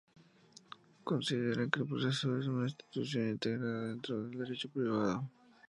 Consideran que el proceso es una institución integrada dentro del Derecho privado.